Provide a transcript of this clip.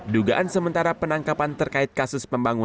dugaan sementara penangkapan terkait kasus pembangunan